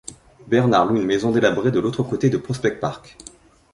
Bernard loue une maison délabrée de l'autre côté de Prospect Park.